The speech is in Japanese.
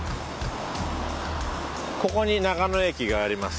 ここに長野駅があります。